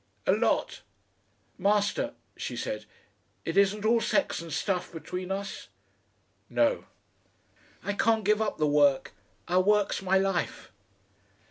"A lot." "Master," she said, "it isn't all sex and stuff between us?" "No!" "I can't give up the work. Our work's my life."